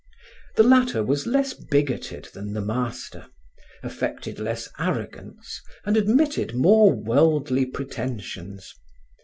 The latter was less bigoted than the master, affected less arrogance and admitted more worldly pretentions.